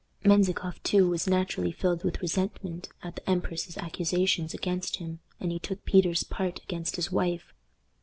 Menzikoff too was naturally filled with resentment at the empress's accusations against him, and he took Peter's part against his wife.